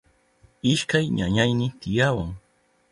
Ishkay ñañayni tiyawan.